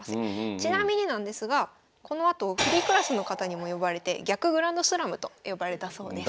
ちなみになんですがこのあとフリークラスの方にも敗れて逆グランドスラムと呼ばれたそうです。